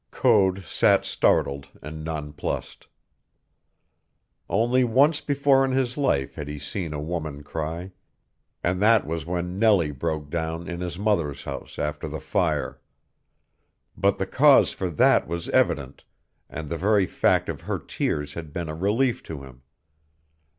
Code sat startled and nonplused. Only once before in his life had he seen a woman cry, and that was when Nellie broke down in his mother's house after the fire. But the cause for that was evident, and the very fact of her tears had been a relief to him.